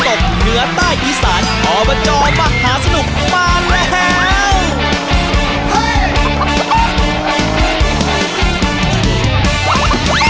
เหนือใต้อีสานอบจมหาสนุกมาแล้ว